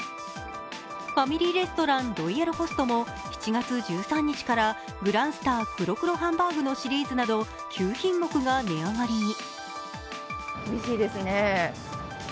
ファミリーレストラン、ロイヤルホストも７月１３日からグランスター黒×黒ハンバーグのシリーズなど９品目が値上がりに。